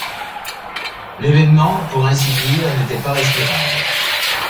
L’événement, pour ainsi dire, n’était pas respirable.